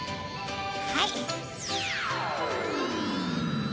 はい。